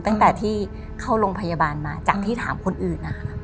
ตั้งแต่ที่เข้าโรงพยาบาลมาจากที่ถามคนอื่นนะคะ